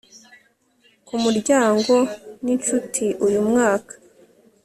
ku muryango ninshuti uyu mwaka